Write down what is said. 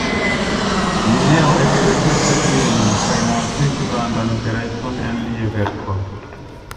Lineo ege respektis lin kaj montris grandan intereson en lia verko.